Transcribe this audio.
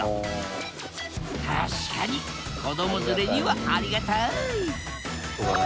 確かに子ども連れにはありがたい！